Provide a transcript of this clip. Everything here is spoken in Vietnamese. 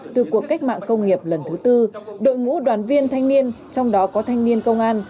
từ cuộc cách mạng công nghiệp lần thứ tư đội ngũ đoàn viên thanh niên trong đó có thanh niên công an